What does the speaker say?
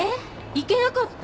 いけなかった？